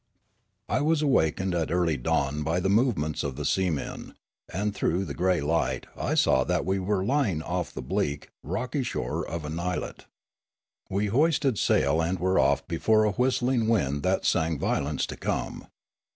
I was awakened at early dawn by the movements of the seamen, and through the grey light I saw that we were lying off the bleak, rocky shore of an islet. We hoisted sail and were off before a whistling wind that sang violence to come.